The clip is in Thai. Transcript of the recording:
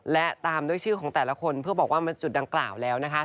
และตามด้วยชื่อของแต่ละคนเพื่อบอกว่ามันจุดดังกล่าวแล้วนะคะ